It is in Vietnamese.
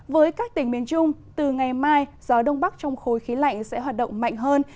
với các tỉnh miền trung từ ngày mai gió đông bắc trong khối khí lạnh sẽ hoạt động mạnh hơn